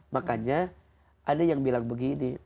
makanya ada yang bilang begini